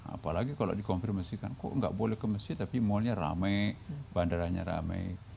apalagi kalau dikonfirmasikan kok gak boleh ke masjid tapi mall nya ramai bandaranya ramai